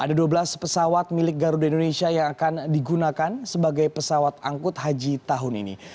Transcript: ada dua belas pesawat milik garuda indonesia yang akan digunakan sebagai pesawat angkut haji tahun ini